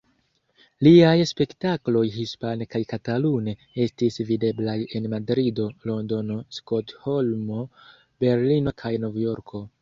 Liaj spektakloj hispane kaj katalune estis videblaj en Madrido, Londono, Stokholmo, Berlino kaj Novjorko.